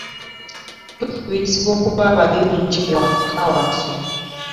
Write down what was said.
Tukubirizibwa okuba abayonjo ewaka waafe.